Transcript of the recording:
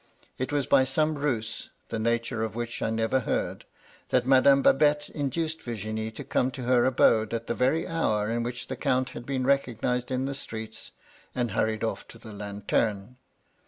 It was by some ruse, the nature of which I never heard, that Madame Babette induced Virginie to come to her abode at the very hour in which the Count had been recognised in the streets, and hurried off to the Lanteme.